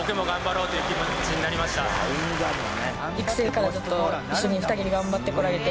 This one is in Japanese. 育成からずっと一緒に２人で頑張ってこられて。